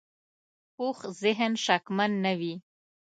پوخ ذهن شکمن نه وي